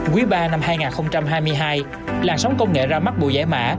quý ba năm hai nghìn hai mươi hai làn sóng công nghệ ra mắt bộ giải mã